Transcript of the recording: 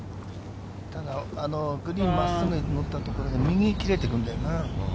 グリーンに真っすぐ乗ったところで右に切れていくんだよな。